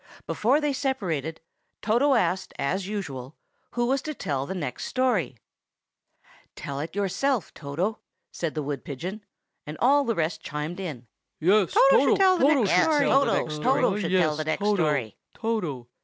Before they separated, Toto asked, as usual, who was to tell the next story. "Tell it yourself, Toto," said the wood pigeon; and all the rest chimed in, "Yes, Toto shall tell the next himself."